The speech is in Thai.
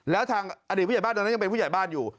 แล้วทางอดีตผู้ใหญ่บ้านตอนนั้นยังเป็นผู้ใหญ่บ้านอยู่